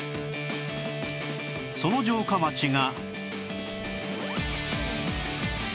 その城下町が